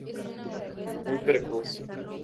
Muy precoz.